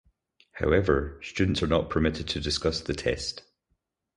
However, students are not permitted to discuss the test.